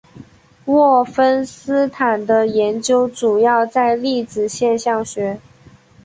沃芬斯坦的研究主要在粒子现象学。